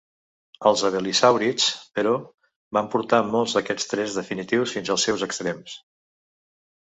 Els abelisàurids, però, van portar molts d'aquests trets definitius fins als seus extrems.